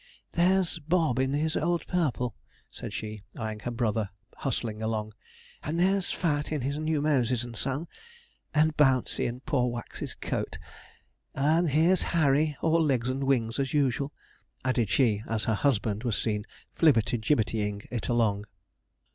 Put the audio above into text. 'There's Bob in his old purple,' said she, eyeing her brother hustling along; 'and there's "Fat" in his new Moses and Son; and Bouncey in poor Wax's coat; and there's Harry all legs and wings, as usual,' added she, as her husband was seen flibberty gibbertying it along.